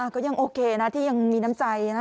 ก็ยังโอเคนะที่ยังมีน้ำใจนะ